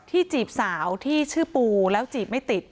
จีบสาวที่ชื่อปูแล้วจีบไม่ติด